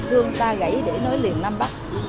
xương ta gãy để nối liền nam bắc